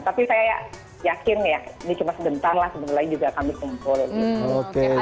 tapi saya yakin ya ini cuma sebentar lah sebenarnya juga kami kumpul